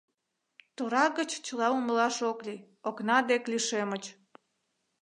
Тора гыч чыла умылаш ок лий, окна дек лишемыч.